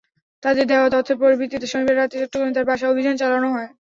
তাঁদের দেওয়া তথ্যের ভিত্তিতে শনিবার রাতে চট্টগ্রামে তাঁর বাসায় অভিযান চালানো হয়।